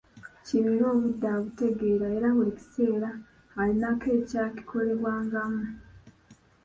Kiberu obudde abutegeera era buli kiseera alinako ekyakikolebwangamu.